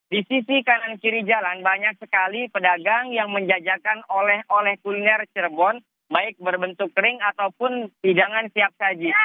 di sisi kanan kiri jalan banyak sekali pedagang yang menjajakan oleh oleh kuliner cirebon baik berbentuk kering ataupun hidangan siap saji